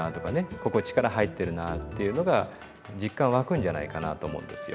ここ力入ってるなっていうのが実感湧くんじゃないかなと思うんですよ。